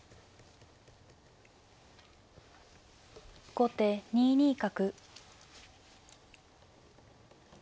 後手２二角。